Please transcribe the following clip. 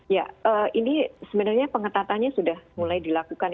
ya ini sebenarnya pengetatannya sudah mulai dilakukan